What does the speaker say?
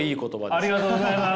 ありがとうございます！